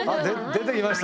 出てきました。